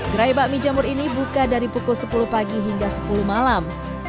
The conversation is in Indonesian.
gerai bakmi jamur ini buka dari pukul sepuluh pagi hingga sepuluh malam